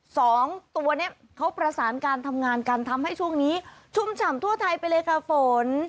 สองตัวนี้เขาประสานการทำงานกันทำให้ช่วงนี้ชุ่มฉ่ำทั่วไทยไปเลยค่ะฝน